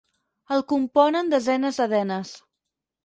El componen desenes de denes.